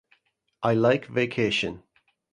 I like vacation.